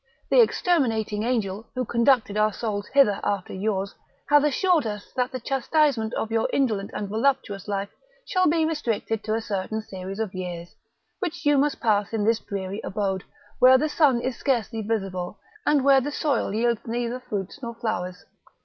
the exterminating Angel, who conducted our souls hither after yours, hath assured us that the chastisement of your indolent and voluptuous life shall be restricted to a certain series of years, which you must pass in this dreary abode, where the sun is scarcely visible, and where the soil yields neither fruits nor flowers.